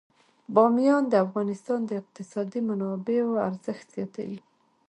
بامیان د افغانستان د اقتصادي منابعو ارزښت زیاتوي.